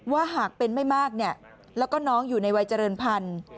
หากเป็นไม่มากแล้วก็น้องอยู่ในวัยเจริญพันธุ์